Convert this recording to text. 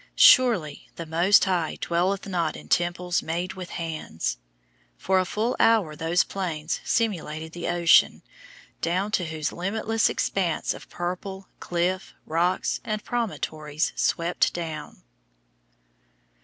Surely "the Most High dwelleth not in temples made with hands!" For a full hour those Plains simulated the ocean, down to whose limitless expanse of purple, cliff, rocks, and promontories swept down.